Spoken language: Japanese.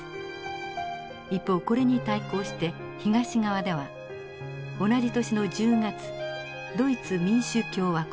一方これに対抗して東側では同じ年の１０月ドイツ民主共和国